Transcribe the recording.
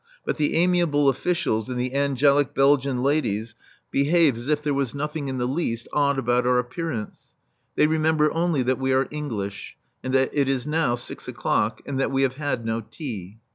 But the amiable officials and the angelic Belgian ladies behave as if there was nothing in the least odd about our appearance. They remember only that we are English and that it is now six o'clock and that we have had no tea.